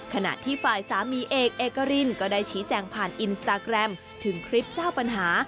ขณะที่ฝ่ายสามีเอกเอกรินก็ได้ชี้แจงผ่านอินสตาแกรมถึงคลิปเจ้าปัญหา